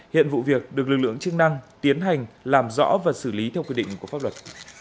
hiện vụ việc được lực lượng chức năng tiến hành làm rõ và xử lý theo quy định của pháp luật